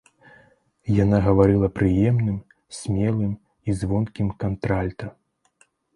Яна гаварыла прыемным, смелым і звонкім кантральта.